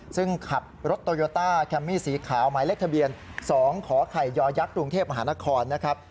ซึ่งขับรถโตโยต้าแคมมี่สีขาวหมายเลขทะเบียน๒ขอไข่ยักษ์กรุงเทพมหานครนะครับ